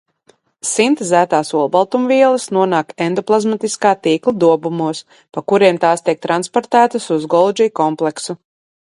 Sintezētās olbaltumvielas nonāk endoplazmatiskā tīkla dobumos, pa kuriem tās tiek transportētas uz Goldži kompleksu.